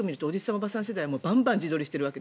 おばさん世代はバンバン自撮りしている。